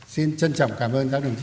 xin trân trọng cảm ơn các đồng chí